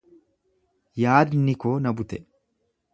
Yaadni koo na bute.